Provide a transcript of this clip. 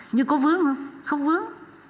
nhưng có vướng không không vướng